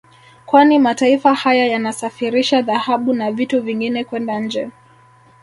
Kwani mataifa haya yanasafirisha dhahabu na vitu vingine kwenda nje